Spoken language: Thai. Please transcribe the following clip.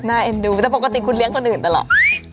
เอ็นดูแต่ปกติคุณเลี้ยงคนอื่นตลอด